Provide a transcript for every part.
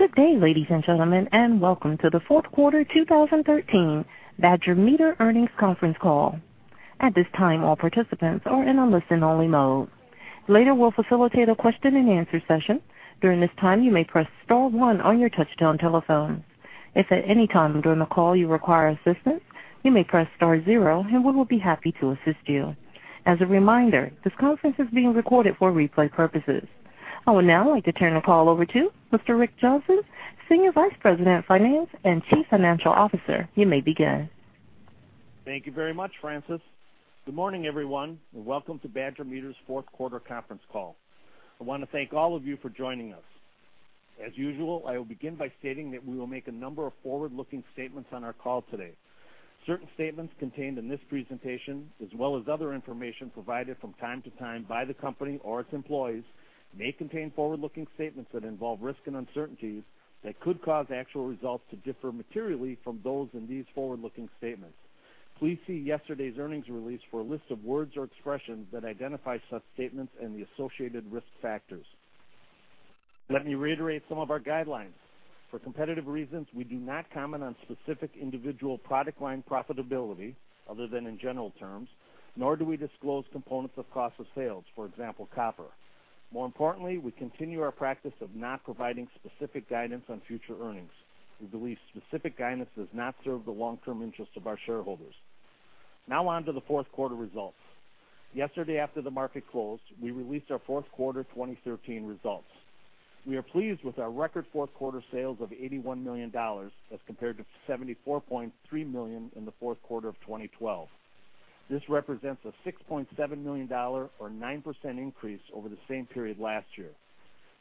Good day, ladies and gentlemen, and welcome to the fourth quarter 2013 Badger Meter earnings conference call. At this time, all participants are in a listen-only mode. Later, we will facilitate a question-and-answer session. During this time, you may press star one on your touch-tone telephone. If at any time during the call you require assistance, you may press star zero, and we will be happy to assist you. As a reminder, this conference is being recorded for replay purposes. I would now like to turn the call over to Mr. Rick Johnson, Senior Vice President of Finance and Chief Financial Officer. You may begin. Thank you very much, Francis. Good morning, everyone, and welcome to Badger Meter's fourth quarter conference call. I want to thank all of you for joining us. As usual, I will begin by stating that we will make a number of forward-looking statements on our call today. Certain statements contained in this presentation, as well as other information provided from time to time by the company or its employees, may contain forward-looking statements that involve risks and uncertainties that could cause actual results to differ materially from those in these forward-looking statements. Please see yesterday's earnings release for a list of words or expressions that identify such statements and the associated risk factors. Let me reiterate some of our guidelines. For competitive reasons, we do not comment on specific individual product line profitability, other than in general terms, nor do we disclose components of cost of sales, for example, copper. We continue our practice of not providing specific guidance on future earnings. We believe specific guidance does not serve the long-term interest of our shareholders. On to the fourth quarter results. Yesterday, after the market closed, we released our fourth quarter 2013 results. We are pleased with our record fourth quarter sales of $81 million as compared to $74.3 million in the fourth quarter of 2012. This represents a $6.7 million or 9% increase over the same period last year.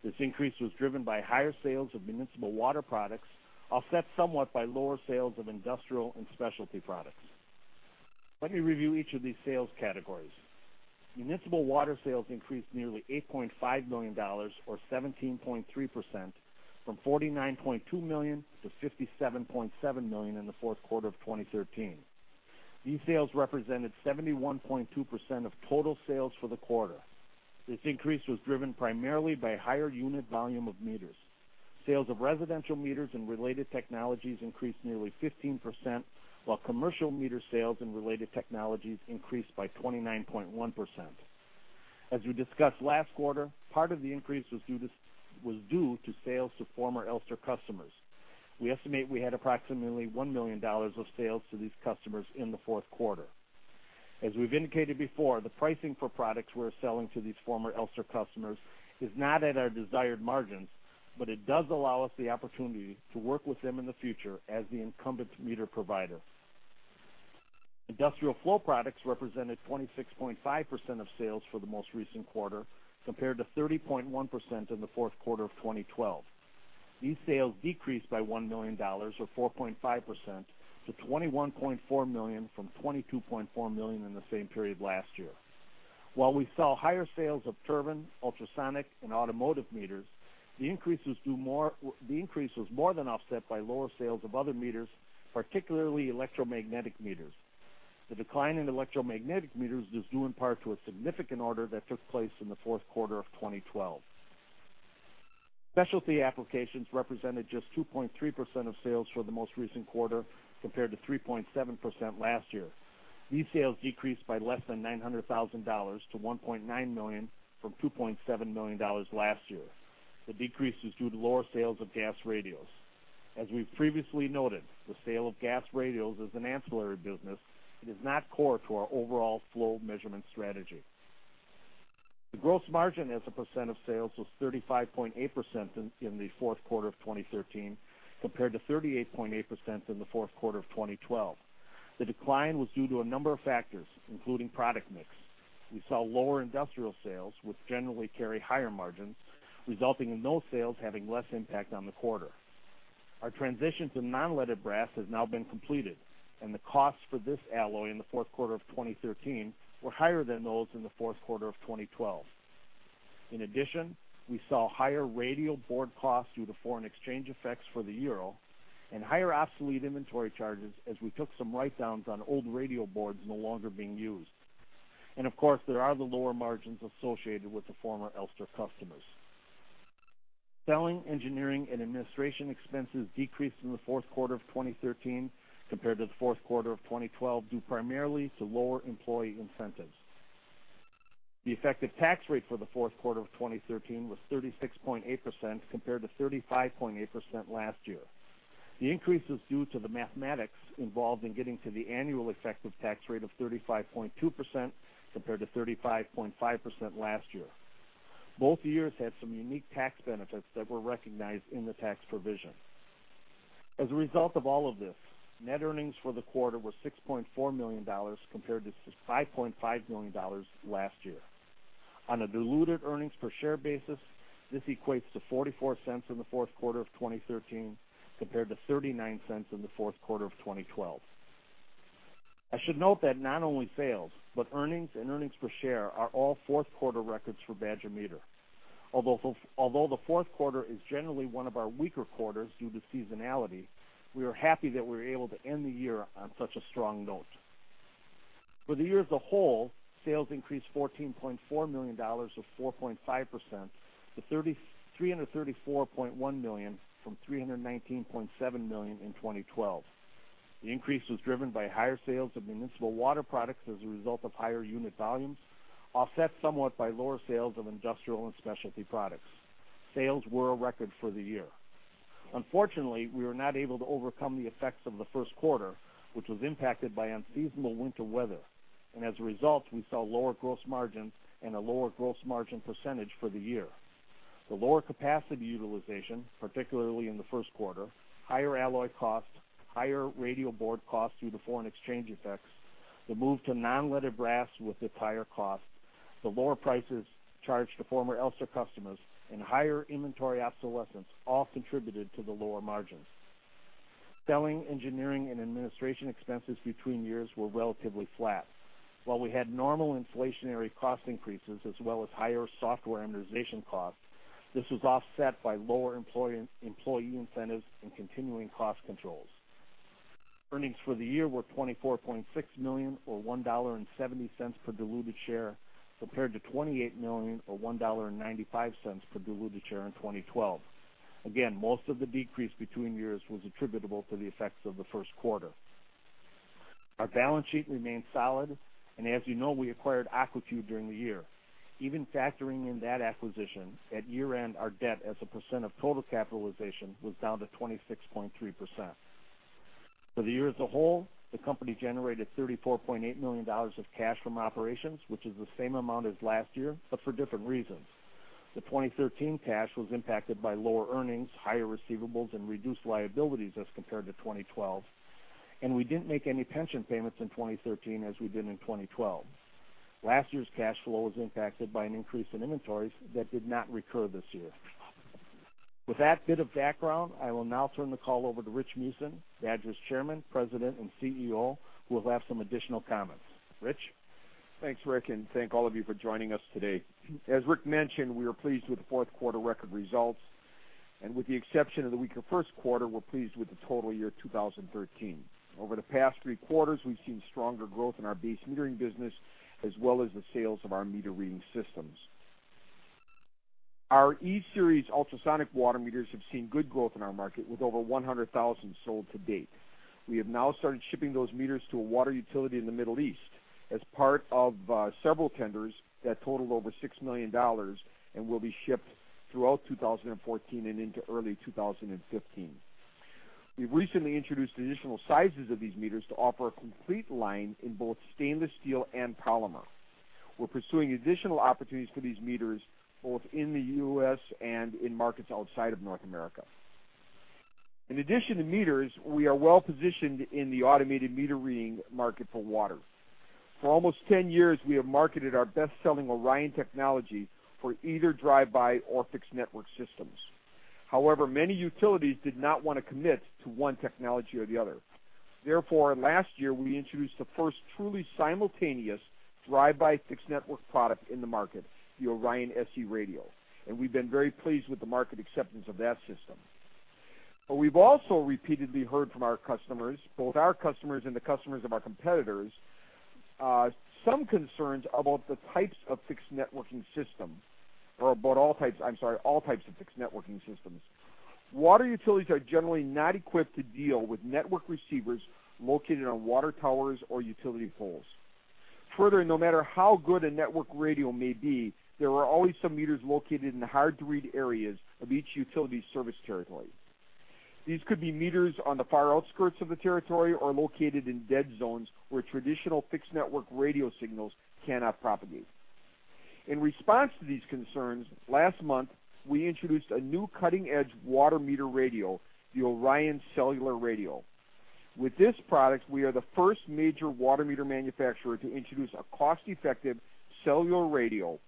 This increase was driven by higher sales of municipal water products, offset somewhat by lower sales of industrial and specialty products. Let me review each of these sales categories. Municipal water sales increased nearly $8.5 million or 17.3% from $49.2 million to $57.7 million in the fourth quarter of 2013. These sales represented 71.2% of total sales for the quarter. This increase was driven primarily by higher unit volume of meters. Sales of residential meters and related technologies increased nearly 15%, while commercial meter sales and related technologies increased by 29.1%. As we discussed last quarter, part of the increase was due to sales to former Elster customers. We estimate we had approximately $1 million of sales to these customers in the fourth quarter. As we have indicated before, the pricing for products we are selling to these former Elster customers is not at our desired margins, but it does allow us the opportunity to work with them in the future as the incumbent meter provider. Industrial flow products represented 26.5% of sales for the most recent quarter, compared to 30.1% in the fourth quarter of 2012. These sales decreased by $1 million, or 4.5%, to $21.4 million from $22.4 million in the same period last year. While we saw higher sales of turbine, ultrasonic, and automotive meters, the increase was more than offset by lower sales of other meters, particularly electromagnetic meters. The decline in electromagnetic meters is due in part to a significant order that took place in the fourth quarter of 2012. Specialty applications represented just 2.3% of sales for the most recent quarter, compared to 3.7% last year. These sales decreased by less than $900,000 to $1.9 million from $2.7 million last year. The decrease is due to lower sales of gas radials. As we've previously noted, the sale of gas radials is an ancillary business and is not core to our overall flow measurement strategy. The gross margin as a % of sales was 35.8% in the fourth quarter of 2013, compared to 38.8% in the fourth quarter of 2012. The decline was due to a number of factors, including product mix. We saw lower industrial sales, which generally carry higher margins, resulting in those sales having less impact on the quarter. Our transition to non-leaded brass has now been completed, and the costs for this alloy in the fourth quarter of 2013 were higher than those in the fourth quarter of 2012. In addition, we saw higher radio board costs due to foreign exchange effects for the EUR and higher obsolete inventory charges as we took some write-downs on old radio boards no longer being used. Of course, there are the lower margins associated with the former Elster customers. Selling, engineering, and administration expenses decreased in the fourth quarter of 2013 compared to the fourth quarter of 2012, due primarily to lower employee incentives. The effective tax rate for the fourth quarter of 2013 was 36.8% compared to 35.8% last year. The increase is due to the mathematics involved in getting to the annual effective tax rate of 35.2% compared to 35.5% last year. Both years had some unique tax benefits that were recognized in the tax provision. As a result of all of this, net earnings for the quarter were $6.4 million compared to $5.5 million last year. On a diluted earnings per share basis, this equates to $0.44 in the fourth quarter of 2013 compared to $0.39 in the fourth quarter of 2012. I should note that not only sales, but earnings and earnings per share are all fourth quarter records for Badger Meter. Although the fourth quarter is generally one of our weaker quarters due to seasonality, we are happy that we were able to end the year on such a strong note. For the year as a whole, sales increased $14.4 million, or 4.5%, to $334.1 million from $319.7 million in 2012. The increase was driven by higher sales of municipal water products as a result of higher unit volumes, offset somewhat by lower sales of industrial and specialty products. Sales were a record for the year. Unfortunately, we were not able to overcome the effects of the first quarter, which was impacted by unseasonable winter weather, and as a result, we saw lower gross margins and a lower gross margin % for the year. The lower capacity utilization, particularly in the first quarter, higher alloy costs, higher radio board costs due to foreign exchange effects, the move to non-leaded brass with its higher cost, the lower prices charged to former Elster customers, and higher inventory obsolescence, all contributed to the lower margins. Selling, engineering, and administration expenses between years were relatively flat. While we had normal inflationary cost increases, as well as higher software amortization costs, this was offset by lower employee incentives and continuing cost controls. Earnings for the year were $24.6 million, or $1.70 per diluted share, compared to $28 million, or $1.95 per diluted share in 2012. Again, most of the decrease between years was attributable to the effects of the first quarter. Our balance sheet remains solid, and as you know, we acquired AquaCue during the year. Even factoring in that acquisition, at year-end, our debt as a percent of total capitalization was down to 26.3%. For the year as a whole, the company generated $34.8 million of cash from operations, which is the same amount as last year, but for different reasons. The 2013 cash was impacted by lower earnings, higher receivables, and reduced liabilities as compared to 2012, and we didn't make any pension payments in 2013 as we did in 2012. Last year's cash flow was impacted by an increase in inventories that did not recur this year. With that bit of background, I will now turn the call over to Rich Meeusen, Badger's Chairman, President, and CEO, who will have some additional comments. Rich? Thanks, Rick, and thank all of you for joining us today. As Rick mentioned, we are pleased with the fourth quarter record results, and with the exception of the weaker first quarter, we're pleased with the total year 2013. Over the past three quarters, we've seen stronger growth in our base metering business, as well as the sales of our meter reading systems. Our E-Series ultrasonic water meters have seen good growth in our market, with over 100,000 sold to date. We have now started shipping those meters to a water utility in the Middle East as part of several tenders that total over $6 million and will be shipped throughout 2014 and into early 2015. We've recently introduced additional sizes of these meters to offer a complete line in both stainless steel and polymer. We're pursuing additional opportunities for these meters, both in the U.S. and in markets outside of North America. In addition to meters, we are well positioned in the automated meter reading market for water. For almost 10 years, we have marketed our best-selling ORION technology for either drive-by or fixed network systems. However, many utilities did not want to commit to one technology or the other. Therefore, last year, we introduced the first truly simultaneous drive-by fixed network product in the market, the ORION SE Radio, and we've been very pleased with the market acceptance of that system. We've also repeatedly heard from our customers, both our customers and the customers of our competitors, some concerns about the types of fixed networking system or about all types, I'm sorry, all types of fixed networking systems. Water utilities are generally not equipped to deal with network receivers located on water towers or utility poles. Further, no matter how good a network radio may be, there are always some meters located in the hard-to-read areas of each utility's service territory. These could be meters on the far outskirts of the territory or located in dead zones where traditional fixed network radio signals cannot propagate. In response to these concerns, last month, we introduced a new cutting-edge water meter radio, the ORION Cellular endpoint. With this product, we are the first major water meter manufacturer to introduce a cost-effective cellular radio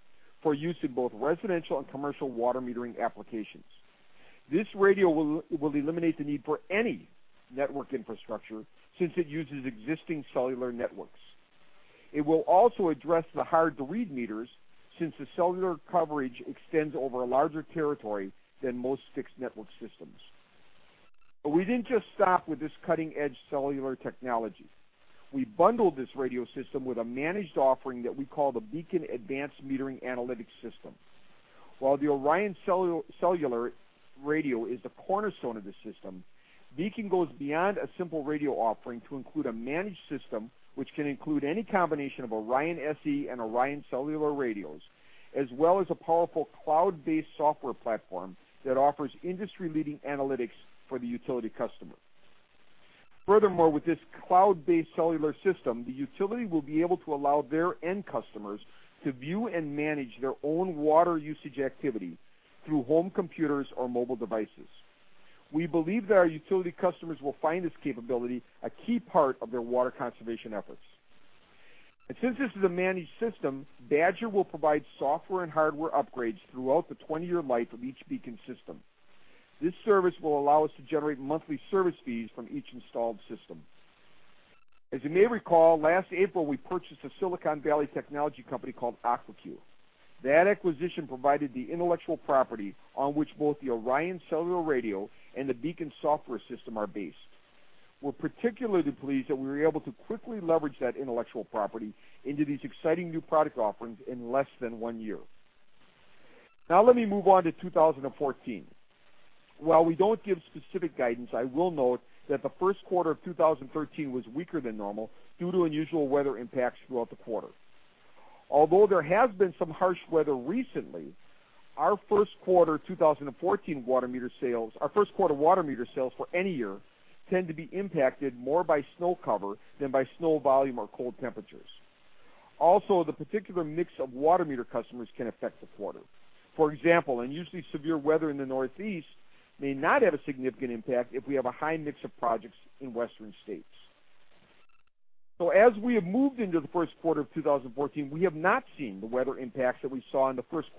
for use in both residential and commercial water metering applications. This radio will eliminate the need for any network infrastructure since it uses existing cellular networks. It will also address the hard-to-read meters since the cellular coverage extends over a larger territory than most fixed network systems. We didn't just stop with this cutting-edge cellular technology. We bundled this radio system with a managed offering that we call the BEACON Advanced Metering Analytics system. While the ORION Cellular endpoint is the cornerstone of this system, BEACON goes beyond a simple radio offering to include a managed system, which can include any combination of ORION SE and ORION cellular radios, as well as a powerful cloud-based software platform that offers industry-leading analytics for the utility customer. Furthermore, with this cloud-based cellular system, the utility will be able to allow their end customers to view and manage their own water usage activity through home computers or mobile devices. We believe that our utility customers will find this capability a key part of their water conservation efforts. Since this is a managed system, Badger will provide software and hardware upgrades throughout the 20-year life of each BEACON system. This service will allow us to generate monthly service fees from each installed system. As you may recall, last April, we purchased a Silicon Valley technology company called AquaCue. That acquisition provided the intellectual property on which both the ORION cellular radio and the BEACON software system are based. We're particularly pleased that we were able to quickly leverage that intellectual property into these exciting new product offerings in less than one year. Now let me move on to 2014. While we don't give specific guidance, I will note that the first quarter of 2013 was weaker than normal due to unusual weather impacts throughout the quarter. Although there has been some harsh weather recently, our first quarter water meter sales for any year tend to be impacted more by snow cover than by snow volume or cold temperatures. Also, the particular mix of water meter customers can affect the quarter. For example, unusually severe weather in the Northeast may not have a significant impact if we have a high mix of projects in Western states. As we have moved into the first quarter of 2014, we have not seen the weather impacts that we saw in the first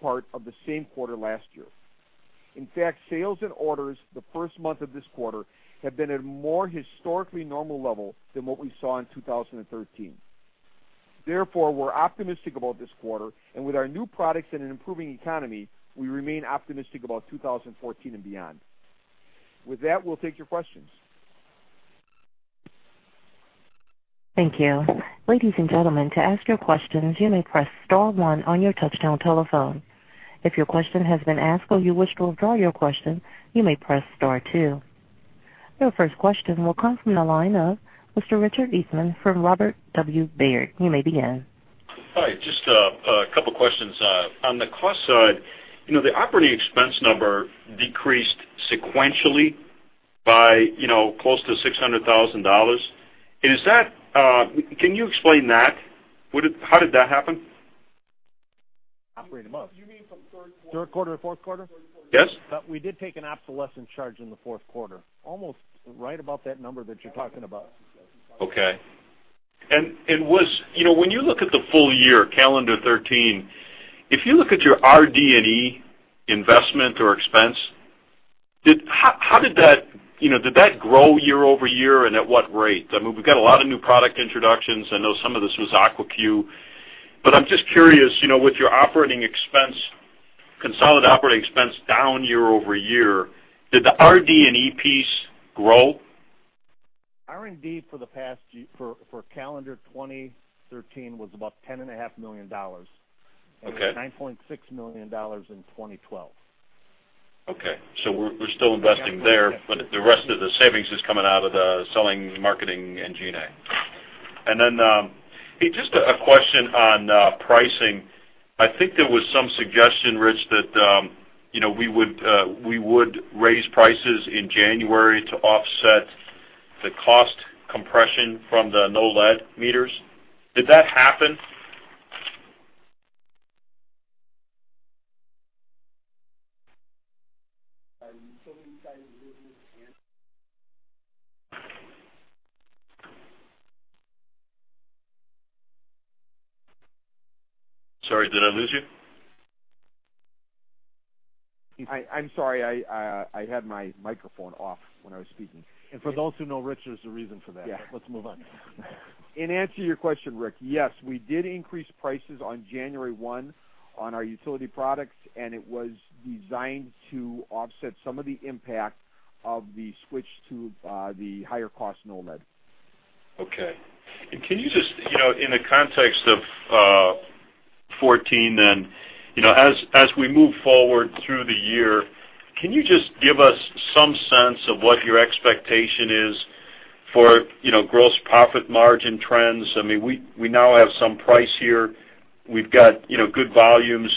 part of the same quarter last year. In fact, sales and orders the first month of this quarter have been at a more historically normal level than what we saw in 2013. Therefore, we're optimistic about this quarter, with our new products and an improving economy, we remain optimistic about 2014 and beyond. With that, we'll take your questions. Thank you. Ladies and gentlemen, to ask your questions, you may press star one on your touch-tone telephone. If your question has been asked or you wish to withdraw your question, you may press star two. Your first question will come from the line of Mr. Richard Eastman from Robert W. Baird. You may begin. Hi, just two questions. On the cost side, the operating expense number decreased sequentially by close to $600,000. Can you explain that? How did that happen? Operating what? You mean from third quarter. Third quarter to fourth quarter? Yes. We did take an obsolescence charge in the fourth quarter, almost right about that number that you're talking about. Okay. When you look at the full year, calendar 2013, if you look at your RD&E investment or expense, did that grow year-over-year, and at what rate? We've got a lot of new product introductions. I know some of this was AquaCue. I'm just curious, with your consolidated operating expense down year-over-year, did the RD&E piece grow? R&D for calendar 2013 was about $10.5 million. Okay. It was $9.6 million in 2012. Okay. We're still investing there, but the rest of the savings is coming out of the selling, marketing, and G&A. Just a question on pricing. I think there was some suggestion, Rich, that we would raise prices in January to offset the cost compression from the no-lead meters. Did that happen? Sorry, did I lose you? I'm sorry. I had my microphone off when I was speaking. For those who know Rich, there's a reason for that. Yeah. Let's move on. In answer to your question, Rick, yes, we did increase prices on January 1 on our utility products. It was designed to offset some of the impact of the switch to the higher cost no-lead. Okay. In the context of 2014, as we move forward through the year, can you just give us some sense of what your expectation is for gross profit margin trends? We now have some price here. We've got volume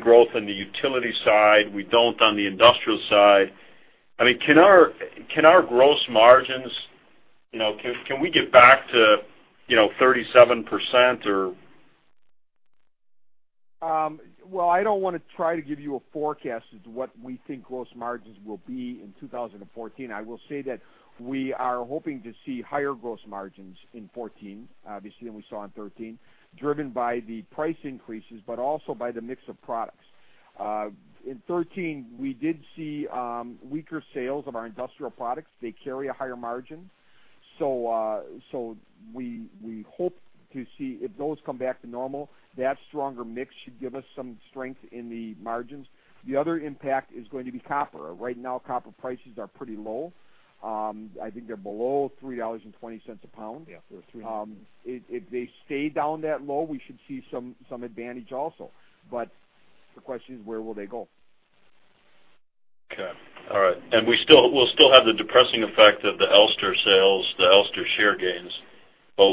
growth on the utility side. We don't on the industrial side. Can we get back to 37%? I don't want to try to give you a forecast as to what we think gross margins will be in 2014. I will say that we are hoping to see higher gross margins in 2014, obviously, than we saw in 2013, driven by the price increases, also by the mix of products. In 2013, we did see weaker sales of our industrial products. They carry a higher margin. We hope to see if those come back to normal, that stronger mix should give us some strength in the margins. The other impact is going to be copper. Right now, copper prices are pretty low. I think they're below $3.20 a pound. Yeah. They're three If they stay down that low, we should see some advantage also. The question is, where will they go? Okay. All right. We'll still have the depressing effect of the Elster sales, the Elster share gains,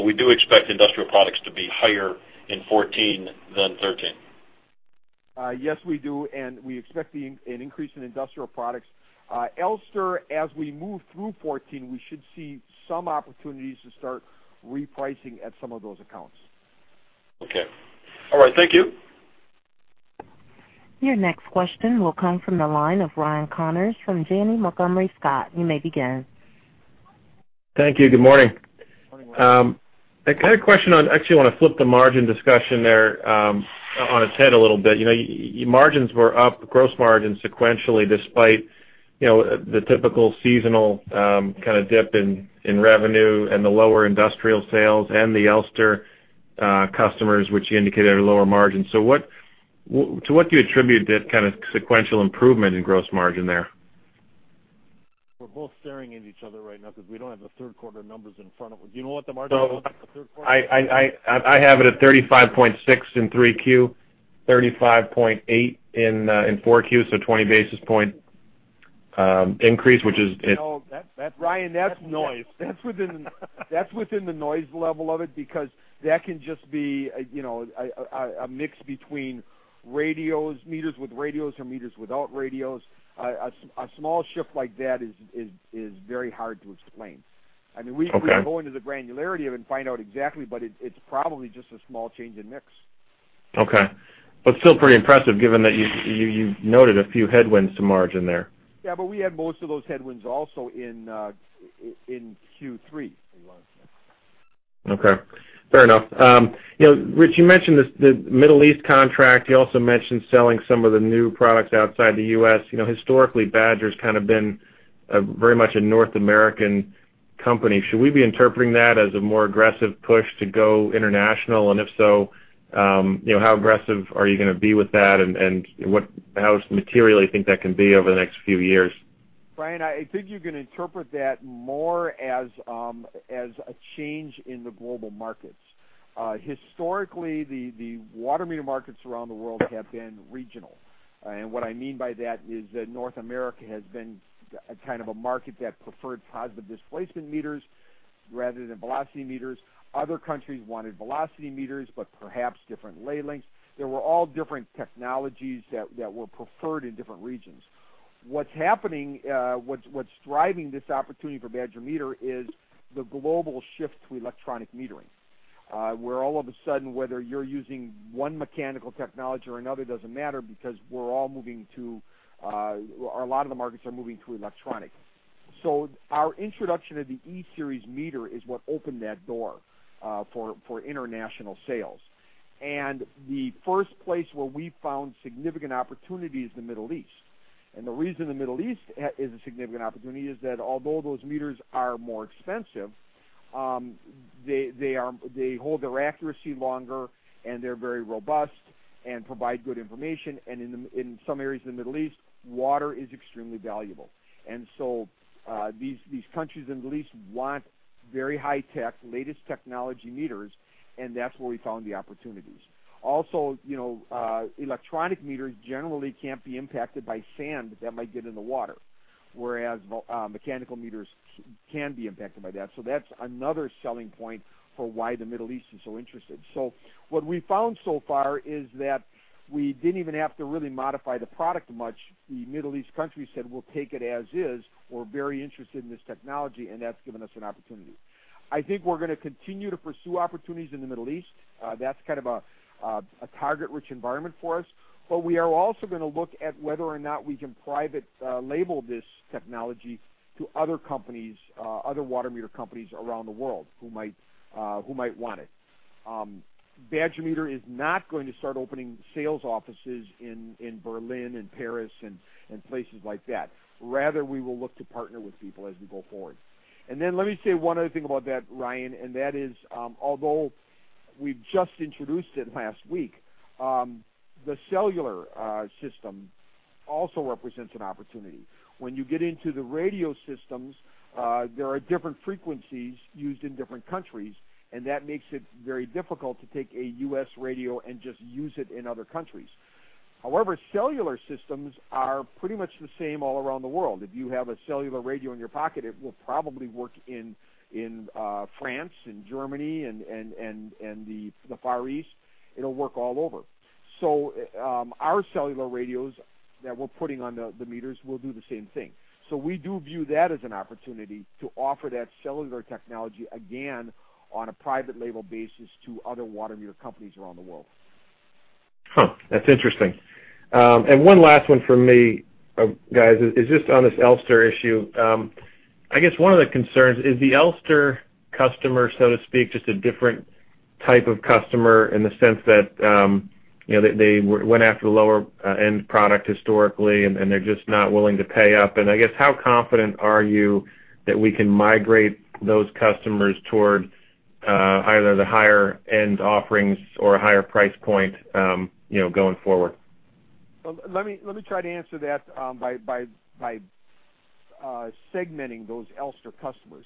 We do expect industrial products to be higher in 2014 than 2013. Yes, we do, We expect an increase in industrial products. Elster, as we move through 2014, we should see some opportunities to start repricing at some of those accounts. Okay. All right. Thank you. Your next question will come from the line of Ryan Connors from Janney Montgomery Scott. You may begin. Thank you. Good morning. Good morning, Ryan. I had a question on, actually, I want to flip the margin discussion there on its head a little bit. Margins were up, gross margins sequentially, despite the typical seasonal kind of dip in revenue and the lower industrial sales and the Elster customers, which you indicated are lower margin. To what do you attribute that kind of sequential improvement in gross margin there? We're both staring at each other right now because we don't have the third quarter numbers in front of us. Do you know what the margin was for the third quarter? I have it at 35.6 in Q3, 35.8 in Q4, 20 basis point increase. Ryan, that's noise. That's within the noise level of it, because that can just be a mix between meters with radios or meters without radios. A small shift like that is very hard to explain. Okay. We could go into the granularity of it and find out exactly, it's probably just a small change in mix. Okay. Still pretty impressive given that you noted a few headwinds to margin there. Yeah, we had most of those headwinds also in Q3. Okay. Fair enough. Rich, you mentioned the Middle East contract. You also mentioned selling some of the new products outside the U.S. Historically, Badger's kind of been very much a North American company. Should we be interpreting that as a more aggressive push to go international? If so, how aggressive are you going to be with that and how materially you think that can be over the next few years? Ryan, I think you can interpret that more as a change in the global markets. Historically, the water meter markets around the world have been regional. What I mean by that is that North America has been a kind of a market that preferred positive displacement meters rather than velocity meters. Other countries wanted velocity meters, but perhaps different lay lengths. There were all different technologies that were preferred in different regions. What's driving this opportunity for Badger Meter is the global shift to electronic metering, where all of a sudden, whether you're using one mechanical technology or another doesn't matter because a lot of the markets are moving to electronic. Our introduction of the E-Series meter is what opened that door for international sales. The first place where we found significant opportunity is the Middle East. The reason the Middle East is a significant opportunity is that although those meters are more expensive, they hold their accuracy longer and they're very robust and provide good information. In some areas of the Middle East, water is extremely valuable. These countries in the Middle East want very high-tech, latest technology meters, and that's where we found the opportunities. Also, electronic meters generally can't be impacted by sand that might get in the water, whereas mechanical meters can be impacted by that. That's another selling point for why the Middle East is so interested. What we've found so far is that we didn't even have to really modify the product much. The Middle East countries said, "We'll take it as is. We're very interested in this technology," and that's given us an opportunity. I think we're going to continue to pursue opportunities in the Middle East. That's kind of a target-rich environment for us. We are also going to look at whether or not we can private label this technology to other water meter companies around the world who might want it. Badger Meter is not going to start opening sales offices in Berlin and Paris and places like that. Rather, we will look to partner with people as we go forward. Let me say one other thing about that, Ryan, and that is although we've just introduced it last week, the cellular system also represents an opportunity. When you get into the radio systems, there are different frequencies used in different countries, and that makes it very difficult to take a U.S. radio and just use it in other countries. However, cellular systems are pretty much the same all around the world. If you have a cellular radio in your pocket, it will probably work in France, in Germany, and the Far East. It'll work all over. Our cellular radios that we're putting on the meters will do the same thing. We do view that as an opportunity to offer that cellular technology again on a private label basis to other water meter companies around the world. That's interesting. One last one from me, guys, is just on this Elster issue. I guess one of the concerns is the Elster customer, so to speak, just a different type of customer in the sense that they went after the lower-end product historically, and they're just not willing to pay up. I guess how confident are you that we can migrate those customers toward either the higher-end offerings or a higher price point going forward? Let me try to answer that by segmenting those Elster customers.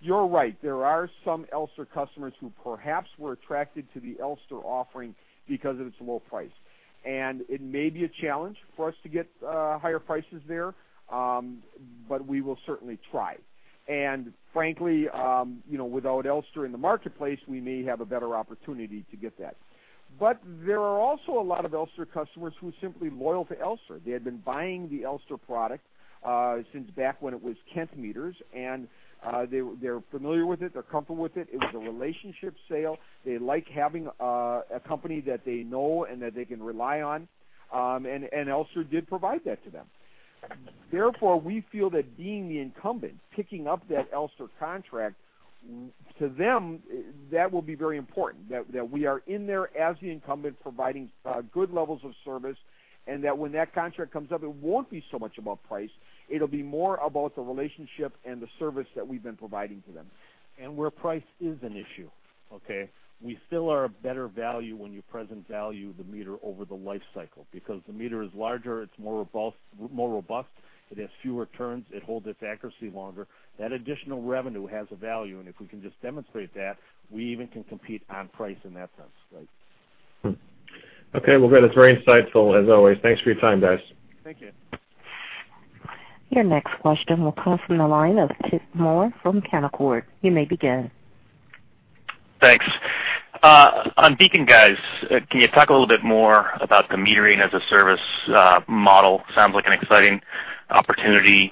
You're right. There are some Elster customers who perhaps were attracted to the Elster offering because of its low price. It may be a challenge for us to get higher prices there, but we will certainly try. Frankly, without Elster in the marketplace, we may have a better opportunity to get that. There are also a lot of Elster customers who are simply loyal to Elster. They had been buying the Elster product since back when it was Kent Meters, and they're familiar with it, they're comfortable with it. It was a relationship sale. They like having a company that they know and that they can rely on, and Elster did provide that to them. Therefore, we feel that being the incumbent, picking up that Elster contract, to them, that will be very important. That we are in there as the incumbent providing good levels of service, and that when that contract comes up, it won't be so much about price. It'll be more about the relationship and the service that we've been providing to them. Where price is an issue. We still are a better value when you present value the meter over the life cycle, because the meter is larger, it's more robust, it has fewer turns, it holds its accuracy longer. That additional revenue has a value, and if we can just demonstrate that, we even can compete on price in that sense. Okay. Well, good. It's very insightful, as always. Thanks for your time, guys. Thank you. Your next question will come from the line of Chip Moore from Canaccord. You may begin. Thanks. On BEACON, guys, can you talk a little bit more about the metering-as-a-service model? Sounds like an exciting opportunity.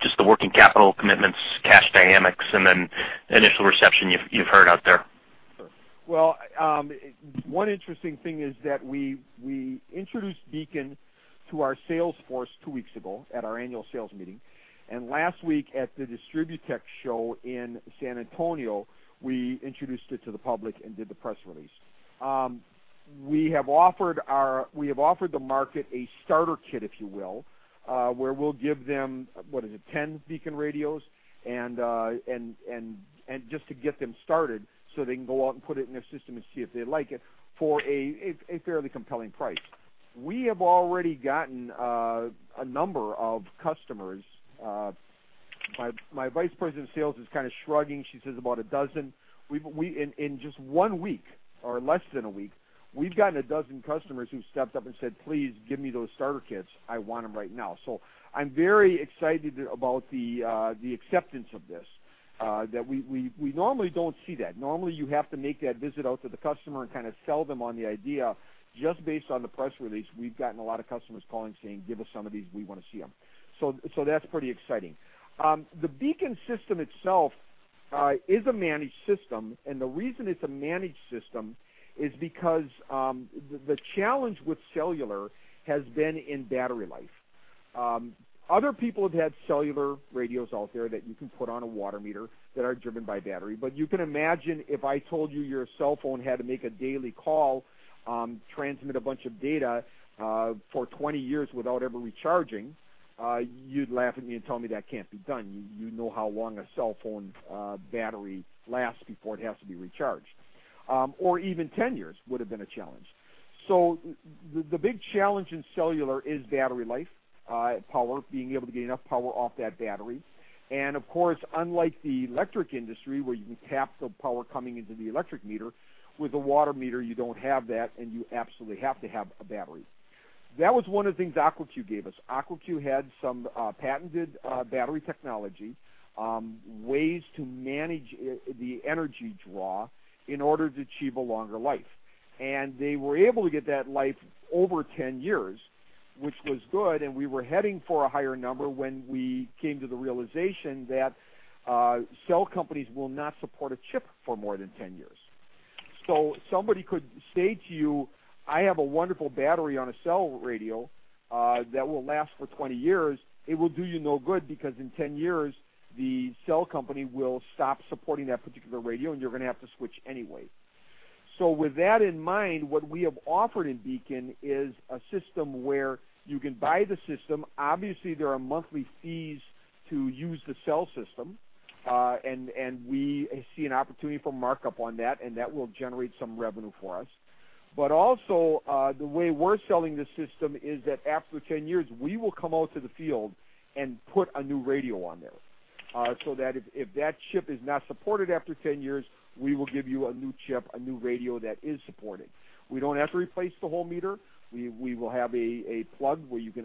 Just the working capital commitments, cash dynamics, and then initial reception you've heard out there. Sure. One interesting thing is that we introduced BEACON to our sales force 2 weeks ago at our annual sales meeting. Last week at the DistribuTECH show in San Antonio, we introduced it to the public and did the press release. We have offered the market a starter kit, if you will, where we'll give them, what is it? 10 BEACON radios, just to get them started so they can go out and put it in their system and see if they like it, for a fairly compelling price. We have already gotten a number of customers. My vice president of sales is kind of shrugging. She says about a dozen. In just one week, or less than a week, we've gotten a dozen customers who stepped up and said, "Please give me those starter kits. I want them right now." I'm very excited about the acceptance of this. We normally don't see that. Normally, you have to make that visit out to the customer and kind of sell them on the idea. Just based on the press release, we've gotten a lot of customers calling saying, "Give us some of these, we want to see them." That's pretty exciting. The BEACON system itself is a managed system, the reason it's a managed system is because the challenge with cellular has been in battery life. Other people have had cellular radios out there that you can put on a water meter that are driven by battery. You can imagine if I told you your cell phone had to make a daily call, transmit a bunch of data for 20 years without ever recharging, you'd laugh at me and tell me that can't be done. You know how long a cell phone battery lasts before it has to be recharged. Even 10 years would have been a challenge. The big challenge in cellular is battery life, power, being able to get enough power off that battery. Of course, unlike the electric industry where you can tap the power coming into the electric meter, with a water meter, you don't have that, and you absolutely have to have a battery. That was one of the things AquaCue gave us. AquaCue had some patented battery technology, ways to manage the energy draw in order to achieve a longer life. They were able to get that life over 10 years, which was good, and we were heading for a higher number when we came to the realization that cell companies will not support a chip for more than 10 years. Somebody could say to you, "I have a wonderful battery on a cell radio that will last for 20 years." It will do you no good because in 10 years, the cell company will stop supporting that particular radio, and you're going to have to switch anyway. With that in mind, what we have offered in BEACON is a system where you can buy the system. Obviously, there are monthly fees to use the cell system. We see an opportunity for markup on that, and that will generate some revenue for us. Also, the way we're selling this system is that after 10 years, we will come out to the field and put a new radio on there. If that chip is not supported after 10 years, we will give you a new chip, a new radio that is supported. We don't have to replace the whole meter. We will have a plug where you can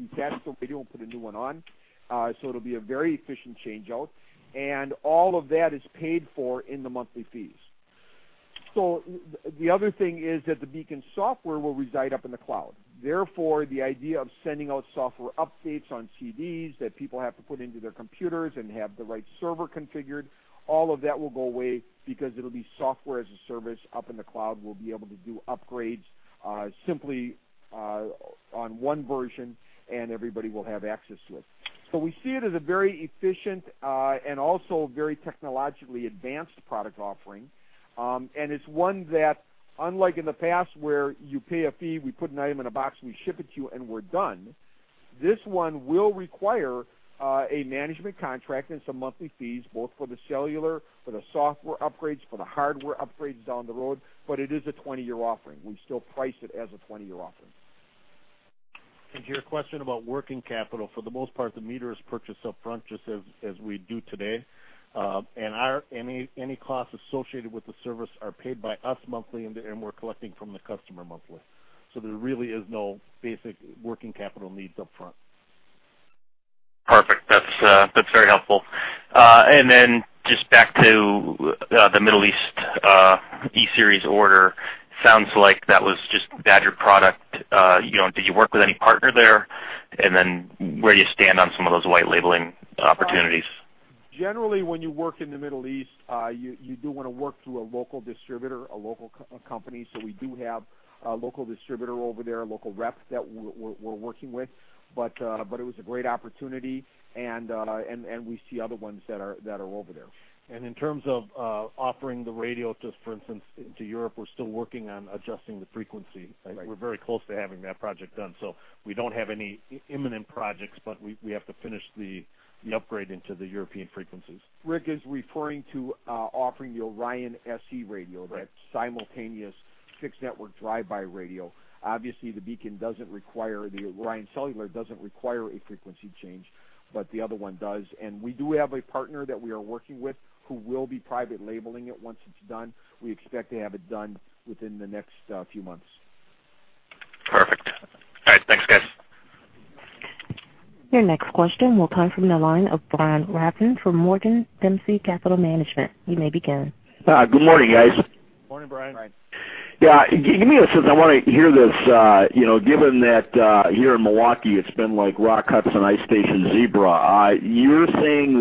detach the radio and put a new one on. It will be a very efficient change-out, and all of that is paid for in the monthly fees. The other thing is that the BEACON software will reside up in the cloud. Therefore, the idea of sending out Software as a Service updates on CDs that people have to put into their computers and have the right server configured, all of that will go away because it will be Software as a Service up in the cloud. We will be able to do upgrades simply on one version, and everybody will have access to it. We see it as a very efficient, and also very technologically advanced product offering. It is one that, unlike in the past where you pay a fee, we put an item in a box, we ship it to you, and we're done, this one will require a management contract and some monthly fees, both for the cellular, for the software upgrades, for the hardware upgrades down the road, but it is a 20-year offering. We still price it as a 20-year offering. To your question about working capital, for the most part, the meter is purchased upfront just as we do today. Any costs associated with the service are paid by us monthly, and we are collecting from the customer monthly. There really is no basic working capital needs upfront. Perfect. That is very helpful. Just back to the Middle East E-Series order, sounds like that was just Badger product. Did you work with any partner there? Where do you stand on some of those white labeling opportunities? Generally, when you work in the Middle East, you do want to work through a local distributor, a local company. We do have a local distributor over there, a local rep that we're working with. It was a great opportunity, and we see other ones that are over there. In terms of offering the radio, just for instance, to Europe, we're still working on adjusting the frequency. Right. We're very close to having that project done. We don't have any imminent projects, we have to finish the upgrade into the European frequencies. Rick is referring to offering the ORION SE radio. Right that simultaneous fixed network drive-by radio. Obviously, the BEACON doesn't require, the ORION Cellular doesn't require a frequency change, but the other one does. We do have a partner that we are working with who will be private labeling it once it's done. We expect to have it done within the next few months. Perfect. All right. Thanks, guys. Your next question will come from the line of Brian Rafson from Morgan Dempsey Capital Management. You may begin. Good morning, guys. Morning, Brian. Brian. Yeah. Give me a sense. I want to hear this, given that here in Milwaukee it's been like Rock Hudson Ice Station Zebra, you're saying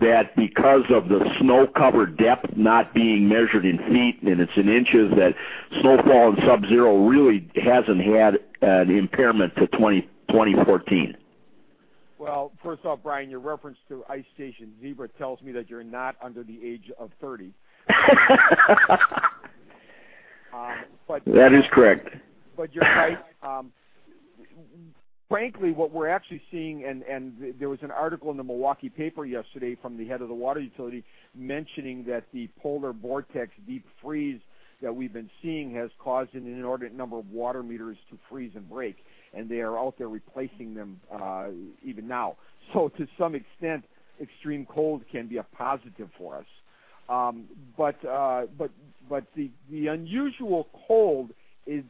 that because of the snow cover depth not being measured in feet, and it's in inches, that snowfall and subzero really hasn't had an impairment to 2014? Well, first off, Brian, your reference to Ice Station Zebra tells me that you're not under the age of 30. That is correct. You're right. Frankly, what we're actually seeing, there was an article in the Milwaukee paper yesterday from the head of the water utility mentioning that the polar vortex deep freeze that we've been seeing has caused an inordinate number of water meters to freeze and break, and they are out there replacing them even now. To some extent, extreme cold can be a positive for us. The unusual cold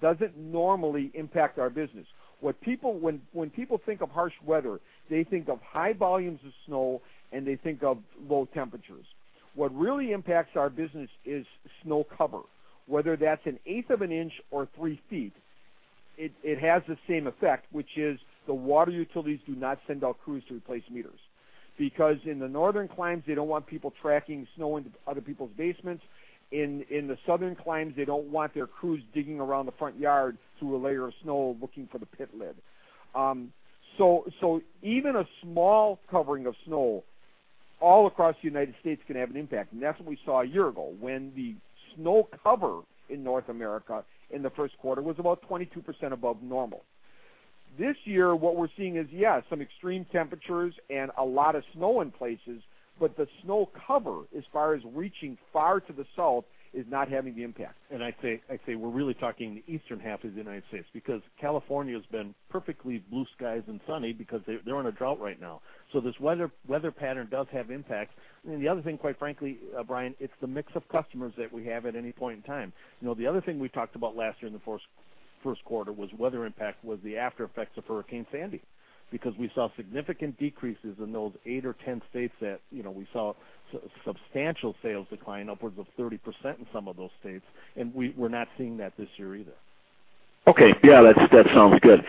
doesn't normally impact our business. When people think of harsh weather, they think of high volumes of snow, and they think of low temperatures. What really impacts our business is snow cover. Whether that's an eighth of an inch or three feet, it has the same effect, which is the water utilities do not send out crews to replace meters. In the northern climes, they don't want people tracking snow into other people's basements. In the southern climes, they don't want their crews digging around the front yard through a layer of snow looking for the pit lid. Even a small covering of snow all across the United States can have an impact. That's what we saw a year ago when the snow cover in North America in the first quarter was about 22% above normal. This year, what we're seeing is, yes, some extreme temperatures and a lot of snow in places, the snow cover, as far as reaching far to the south, is not having the impact. I say we're really talking the eastern half of the United States because California's been perfectly blue skies and sunny because they're in a drought right now. This weather pattern does have impact. The other thing, quite frankly, Brian, it's the mix of customers that we have at any point in time. The other thing we talked about last year in the first quarter was weather impact was the after effects of Hurricane Sandy because we saw significant decreases in those eight or 10 states that we saw substantial sales decline upwards of 30% in some of those states. We're not seeing that this year either. Okay. Yeah, that sounds good.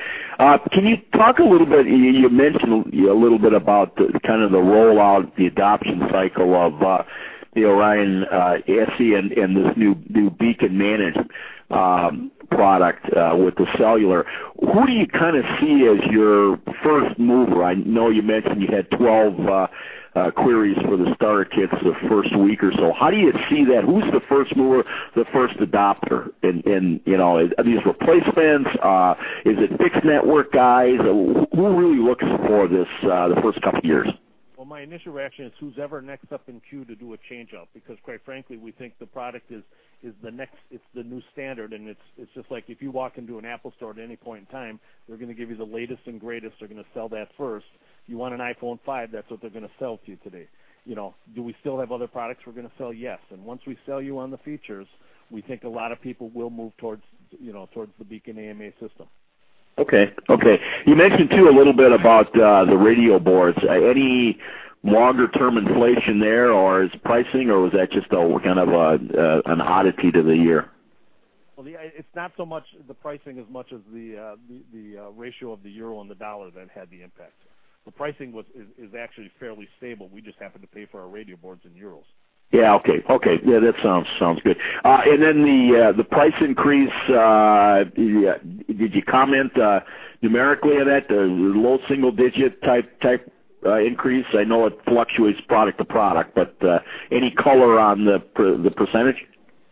Can you talk a little bit, you mentioned a little bit about kind of the rollout, the adoption cycle of the ORION SE and this new BEACON managed product with the cellular. Who do you see as your first mover? I know you mentioned you had 12 queries for the starter kits the first week or so. How do you see that? Who's the first mover, the first adopter? Are these replacements? Is it fixed network guys? Who are we looking for the first couple of years? Well, my initial reaction is who's ever next up in queue to do a change-up because quite frankly, we think the product, it's the new standard. It's just like if you walk into an Apple Store at any point in time, they're going to give you the latest and greatest. They're going to sell that first. You want an iPhone 5, that's what they're going to sell to you today. Do we still have other products we're going to sell? Yes. Once we sell you on the features, we think a lot of people will move towards the BEACON AMA system. Okay. You mentioned too a little bit about the radio boards. Any longer-term inflation there, or is pricing, or was that just kind of an oddity to the year? Well, it's not so much the pricing as much as the ratio of the EUR and the dollar that had the impact. The pricing is actually fairly stable. We just happen to pay for our radio boards in EUR. Yeah. Okay. That sounds good. Then the price increase, did you comment numerically on that? Low single-digit type increase? I know it fluctuates product to product, but any color on the %?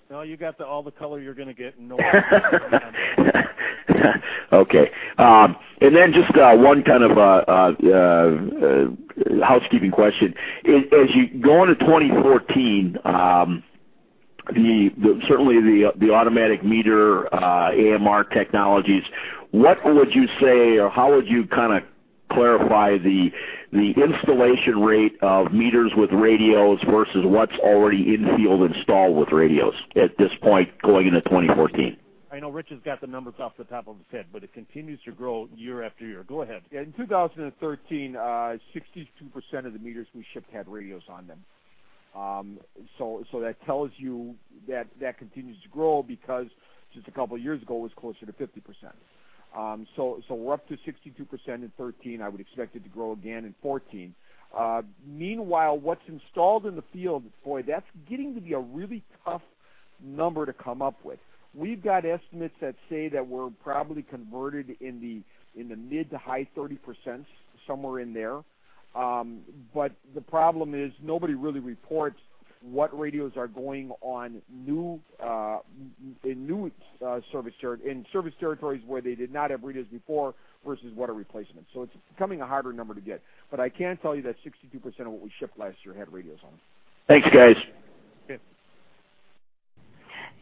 No, you got all the color you're going to get. No. Okay. Just one kind of housekeeping question. As you go into 2014, certainly the automatic meter AMR technologies, what would you say, or how would you clarify the installation rate of meters with radios versus what's already in-field installed with radios at this point going into 2014? I know Rich has got the numbers off the top of his head, it continues to grow year after year. Go ahead. Yeah. In 2013, 62% of the meters we shipped had radios on them. That tells you that continues to grow because just a couple of years ago, it was closer to 50%. We're up to 62% in 2013. I would expect it to grow again in 2014. Meanwhile, what's installed in the field, boy, that's getting to be a really tough number to come up with. We've got estimates that say that we're probably converted in the mid to high 30%s, somewhere in there. The problem is nobody really reports what radios are going in service territories where they did not have radios before versus what are replacements. It's becoming a harder number to get. I can tell you that 62% of what we shipped last year had radios on them. Thanks, guys.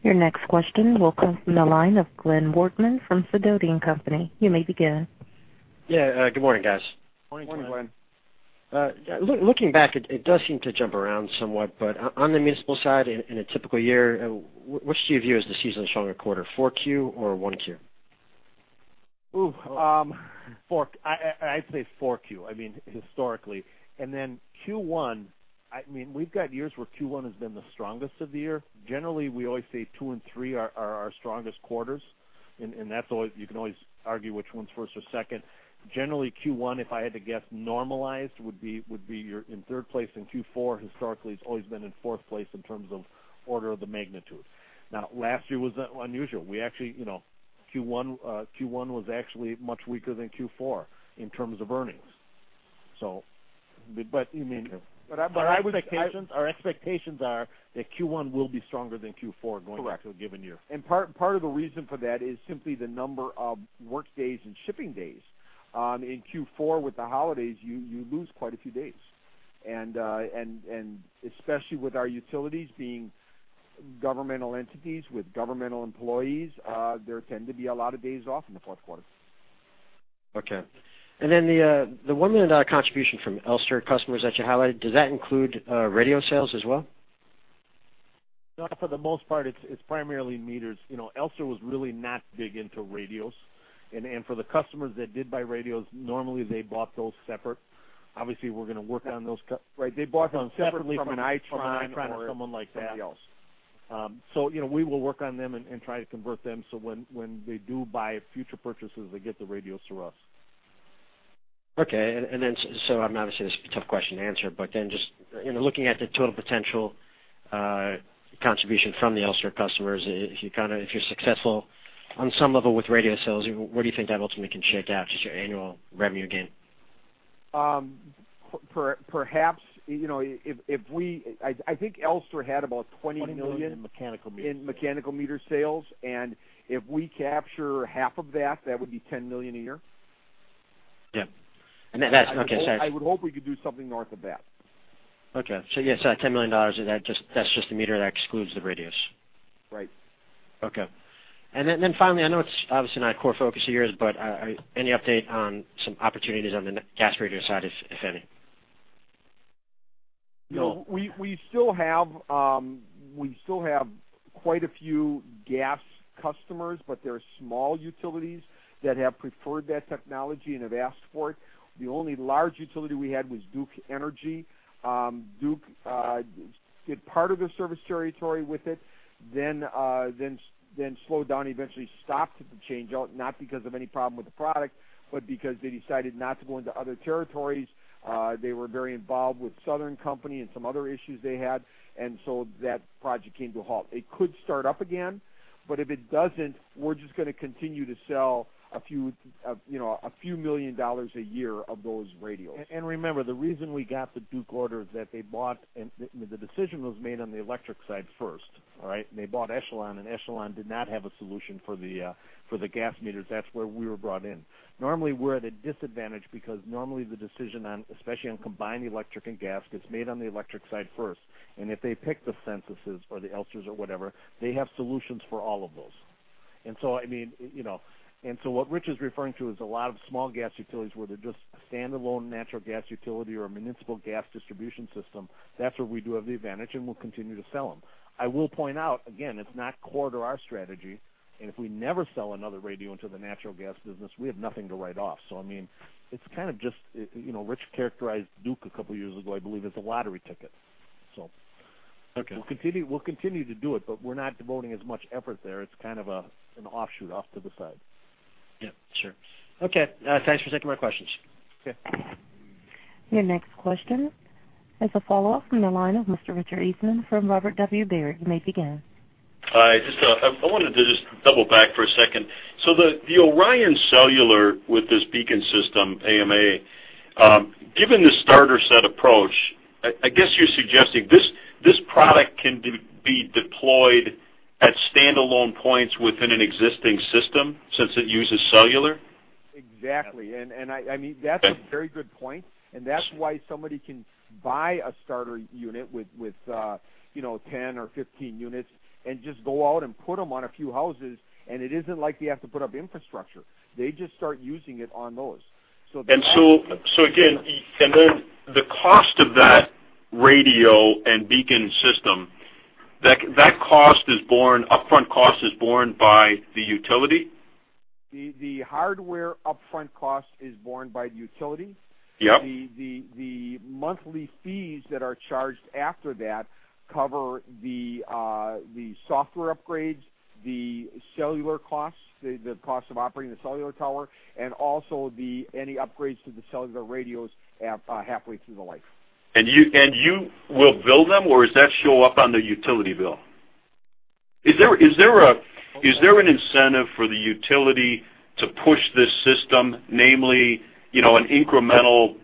Okay. Your next question will come from the line of Glenn Wartman from Sidoti & Company. You may begin. Yeah. Good morning, guys. Morning, Glenn. Morning, Glenn. Looking back, it does seem to jump around somewhat. On the municipal side, in a typical year, which do you view as the seasonably stronger quarter, 4Q or 1Q? Ooh. 4Q. I'd say 4Q, historically. Then Q1, we've got years where Q1 has been the strongest of the year. Generally, we always say two and three are our strongest quarters. You can always argue which one's first or second. Generally, Q1, if I had to guess, normalized would be you're in third place, and Q4 historically has always been in fourth place in terms of order of the magnitude. Last year was unusual. Q1 was actually much weaker than Q4 in terms of earnings. Okay. Our expectations are that Q1 will be stronger than Q4. Correct a given year. Part of the reason for that is simply the number of workdays and shipping days. In Q4 with the holidays, you lose quite a few days. Especially with our utilities being governmental entities with governmental employees, there tend to be a lot of days off in the fourth quarter. Okay. The $1 million contribution from Elster customers that you highlighted, does that include radio sales as well? No, for the most part, it's primarily meters. Elster was really not big into radios. For the customers that did buy radios, normally they bought those separate. Obviously, we're gonna work on those. Right, they bought them separately from an Itron or somebody else. We will work on them and try to convert them, so when they do buy future purchases, they get the radios through us. Okay. Obviously this is a tough question to answer, just looking at the total potential contribution from the Elster customers, if you're successful on some level with radio sales, where do you think that ultimately can shake out as your annual revenue gain? Perhaps, I think Elster had about $20 million- $20 million in mechanical meters in mechanical meter sales. If we capture half of that would be $10 million a year. Yeah. That's, okay. Sorry. I would hope we could do something north of that. Yes, $10 million, that's just the meter. That excludes the radios. Right. Okay. Finally, I know it's obviously not a core focus of yours, but any update on some opportunities on the gas radio side, if any? No. We still have quite a few gas customers, but they're small utilities that have preferred that technology and have asked for it. The only large utility we had was Duke Energy. Duke did part of their service territory with it, then slowed down, eventually stopped the change out, not because of any problem with the product, but because they decided not to go into other territories. They were very involved with Southern Company and some other issues they had. That project came to a halt. It could start up again, if it doesn't, we're just gonna continue to sell a few million dollars a year of those radios. Remember, the reason we got the Duke order is that the decision was made on the electric side first. All right? They bought Echelon, and Echelon did not have a solution for the gas meters. That's where we were brought in. Normally, we're at a disadvantage because normally the decision on, especially on combined electric and gas, gets made on the electric side first. If they pick the Sensus or the Elster or whatever, they have solutions for all of those. What Rich is referring to is a lot of small gas utilities where they're just a standalone natural gas utility or a municipal gas distribution system. That's where we do have the advantage, and we'll continue to sell them. I will point out, again, it's not core to our strategy, and if we never sell another radio into the natural gas business, we have nothing to write off. Rich characterized Duke Energy a couple of years ago, I believe, as a lottery ticket. Okay. We'll continue to do it, but we're not devoting as much effort there. It's kind of an offshoot off to the side. Yeah, sure. Okay. Thanks for taking my questions. Okay. Your next question is a follow-up from the line of Mr. Richard Eastman from Robert W. Baird. I wanted to just double back for a second. The ORION Cellular with this BEACON system, AMA, given the starter set approach, I guess you're suggesting this product can be deployed at standalone points within an existing system since it uses cellular? Exactly. I mean, that's a very good point, and that's why somebody can buy a starter unit with 10 or 15 units and just go out and put them on a few houses, and it isn't like they have to put up infrastructure. They just start using it on those. Again, the cost of that radio and BEACON system, that upfront cost is borne by the utility? The hardware upfront cost is borne by the utility. Yep. The monthly fees that are charged after that cover the software upgrades, the cellular costs, the cost of operating the cellular tower, and also any upgrades to the cellular radios halfway through the life. You will bill them, or does that show up on the utility bill? Is there an incentive for the utility to push this system, namely, an incremental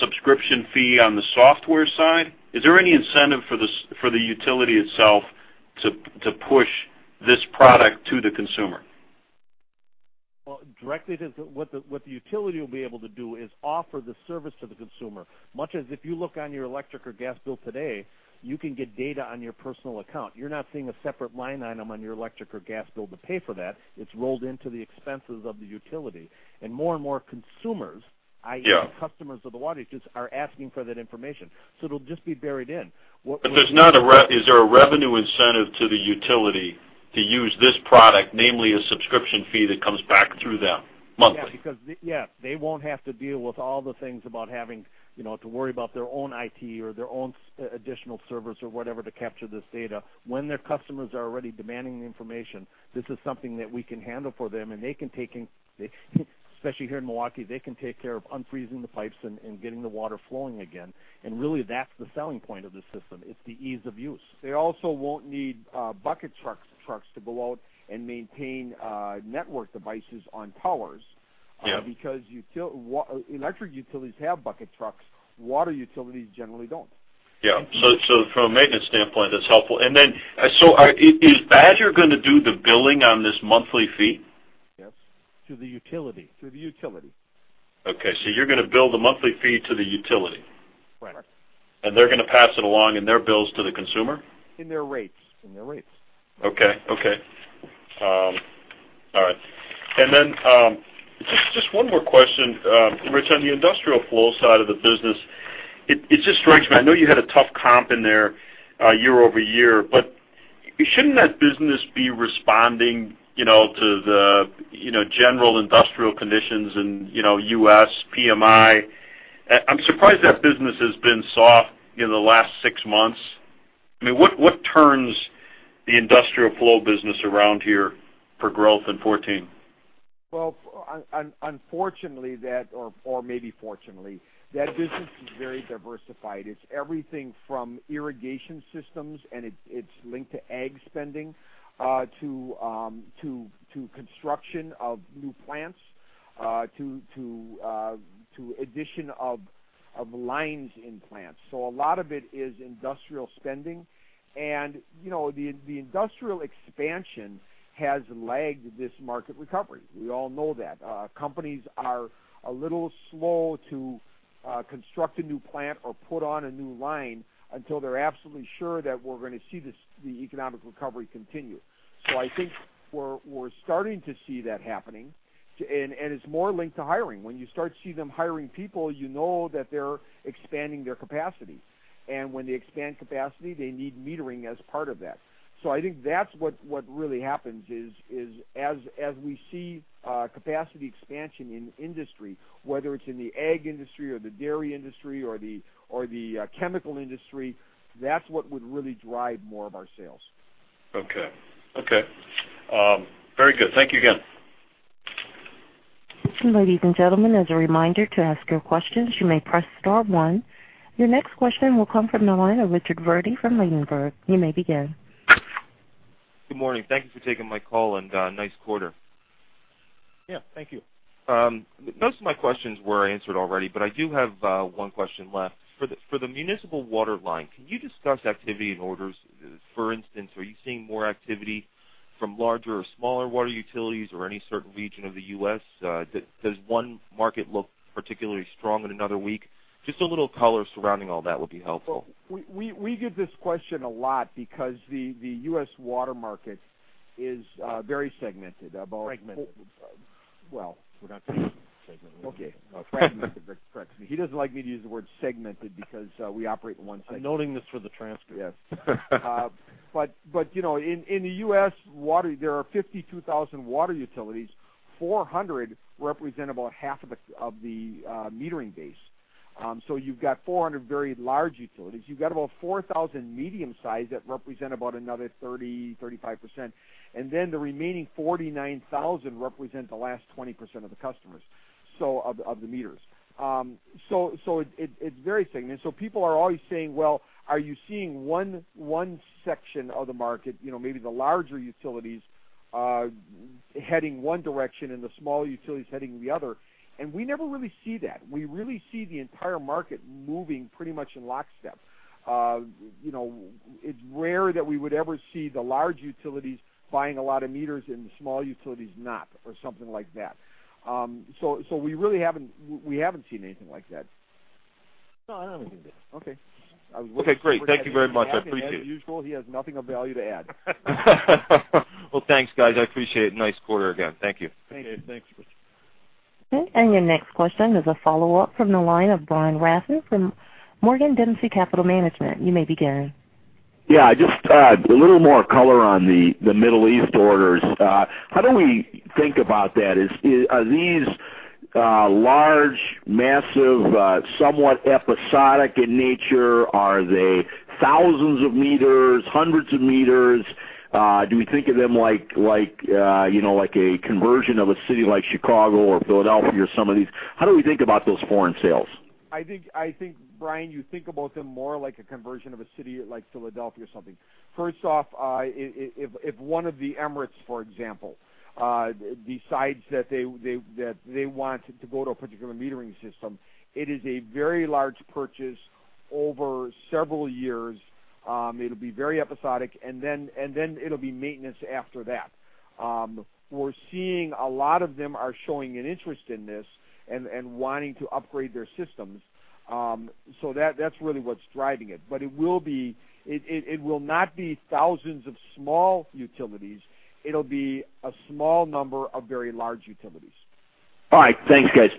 subscription fee on the software side? Is there any incentive for the utility itself to push this product to the consumer? Well, directly, what the utility will be able to do is offer the service to the consumer. Much as if you look on your electric or gas bill today, you can get data on your personal account. You're not seeing a separate line item on your electric or gas bill to pay for that. It's rolled into the expenses of the utility. Yeah Customers of the water utilities are asking for that information. It'll just be buried in. Is there a revenue incentive to the utility to use this product, namely a subscription fee that comes back through them monthly? They won't have to deal with all the things about having to worry about their own IT or their own additional servers or whatever to capture this data. When their customers are already demanding the information, this is something that we can handle for them, and they can take, especially here in Milwaukee, they can take care of unfreezing the pipes and getting the water flowing again, and really that's the selling point of the system. It's the ease of use. They also won't need bucket trucks to go out and maintain network devices on towers. Yeah. Electric utilities have bucket trucks. Water utilities generally don't. From a maintenance standpoint, that's helpful. Is Badger going to do the billing on this monthly fee? Yes. To the utility. To the utility. Okay. You're going to bill the monthly fee to the utility. Right. Right. They're going to pass it along in their bills to the consumer. In their rates. In their rates. Okay. All right. Then, just one more question, Rich. On the industrial flow side of the business, it just strikes me, I know you had a tough comp in there year-over-year, but shouldn't that business be responding to the general industrial conditions and U.S. PMI? I'm surprised that business has been soft in the last six months. I mean, what turns the industrial flow business around here for growth in 2014? Well, unfortunately, or maybe fortunately, that business is very diversified. It's everything from irrigation systems, and it's linked to ag spending, to construction of new plants, to addition of lines in plants. A lot of it is industrial spending. The industrial expansion has lagged this market recovery. We all know that. Companies are a little slow to construct a new plant or put on a new line until they're absolutely sure that we're going to see the economic recovery continue. I think we're starting to see that happening, and it's more linked to hiring. When you start to see them hiring people, you know that they're expanding their capacity. When they expand capacity, they need metering as part of that. I think that's what really happens is, as we see capacity expansion in industry, whether it's in the ag industry or the dairy industry or the chemical industry, that's what would really drive more of our sales. Okay. Very good. Thank you again. Ladies and gentlemen, as a reminder, to ask your questions, you may press star one. Your next question will come from the line of Richard Virdi from Ladenburg. You may begin. Good morning. Thank you for taking my call. Nice quarter. Yeah. Thank you. Most of my questions were answered already, but I do have one question left. For the municipal water line, can you discuss activity and orders? For instance, are you seeing more activity from larger or smaller water utilities or any certain region of the U.S.? Does one market look particularly strong and another weak? Just a little color surrounding all that would be helpful. We get this question a lot because the U.S. water market is very segmented, Fragmented. Well. We're not segmented. Okay. Fragmented. That's correct. He doesn't like me to use the word segmented because we operate in one segment. I'm noting this for the transcript. Yes. In the U.S., there are 52,000 water utilities, 400 represent about half of the metering base. You've got 400 very large utilities. You've got about 4,000 medium-size that represent about another 30%, 35%. The remaining 49,000 represent the last 20% of the customers, of the meters. It's very segmented. People are always saying, "Well, are you seeing one section of the market, maybe the larger utilities, heading one direction and the small utilities heading the other?" We never really see that. We really see the entire market moving pretty much in lockstep. It's rare that we would ever see the large utilities buying a lot of meters and the small utilities not, or something like that. We really haven't seen anything like that. No, I don't think it is. Okay. Okay, great. Thank you very much. I appreciate it. As usual, he has nothing of value to add. Well, thanks guys, I appreciate it. Nice quarter again. Thank you. Thank you. Thanks, Richard. Okay. Your next question is a follow-up from the line of Brian Rafson from Morgan Dempsey Capital Management. You may begin. Yeah, just a little more color on the Middle East orders. How do we think about that? Are these large, massive, somewhat episodic in nature? Are they thousands of meters, hundreds of meters? Do we think of them like a conversion of a city like Chicago or Philadelphia or some of these? How do we think about those foreign sales? I think, Brian, you think about them more like a conversion of a city like Philadelphia or something. First off, if one of the Emirates, for example, decides that they want to go to a particular metering system, it is a very large purchase over several years. It'll be very episodic, and then it'll be maintenance after that. We're seeing a lot of them are showing an interest in this and wanting to upgrade their systems. That's really what's driving it. It will not be thousands of small utilities. It'll be a small number of very large utilities. All right. Thanks, guys.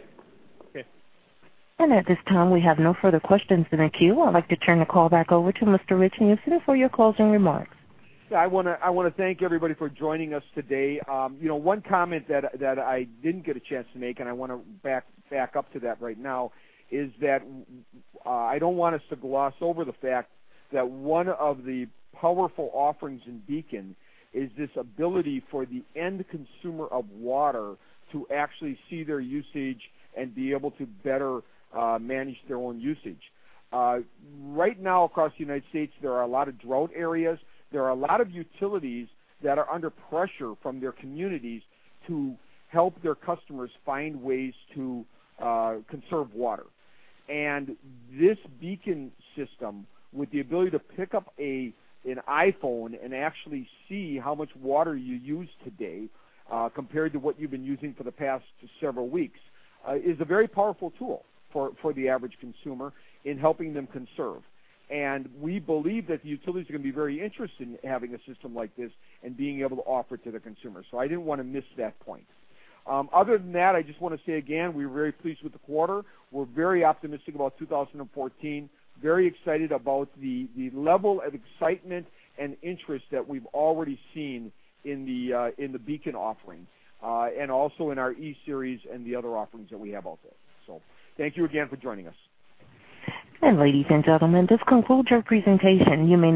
Okay. At this time, we have no further questions in the queue. I'd like to turn the call back over to Mr. Rich Meeusen for your closing remarks. I want to thank everybody for joining us today. One comment that I didn't get a chance to make, I want to back up to that right now, is that I don't want us to gloss over the fact that one of the powerful offerings in BEACON is this ability for the end consumer of water to actually see their usage and be able to better manage their own usage. Right now, across the U.S., there are a lot of drought areas. There are a lot of utilities that are under pressure from their communities to help their customers find ways to conserve water. This BEACON system, with the ability to pick up an iPhone and actually see how much water you used today compared to what you've been using for the past several weeks, is a very powerful tool for the average consumer in helping them conserve. We believe that the utilities are going to be very interested in having a system like this and being able to offer it to their consumers. I didn't want to miss that point. Other than that, I just want to say again, we're very pleased with the quarter. We're very optimistic about 2014, very excited about the level of excitement and interest that we've already seen in the BEACON offering, and also in our E-Series and the other offerings that we have out there. Thank you again for joining us. Ladies and gentlemen, this concludes our presentation. You may now disconnect.